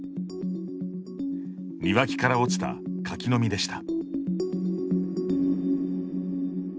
庭木から落ちた柿の実でした。